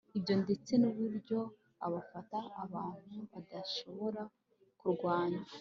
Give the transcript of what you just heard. ibyo ndetse n'uburyo afata abantu badashobora kurwanya